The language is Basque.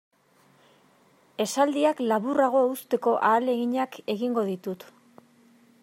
Esaldiak laburrago uzteko ahaleginak egingo ditut.